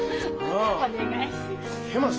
お願いします。